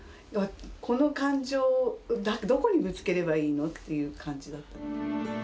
この感情をどこにぶつければいいのっていう感じだった。